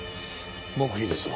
黙秘ですわ。